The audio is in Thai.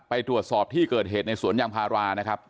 ไปตรวจสอบที่เกิดเหตุในสวนยางพารานะครับ